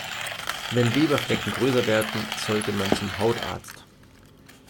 Wenn Leberflecken größer werden, sollte man zum Hautarzt.